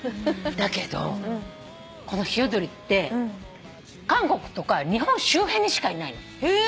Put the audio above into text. だけどこのヒヨドリって韓国とか日本周辺にしかいないの。